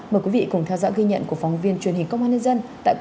mời quý vị cùng theo dõi ghi nhận của phóng viên truyền hình công an nhân dân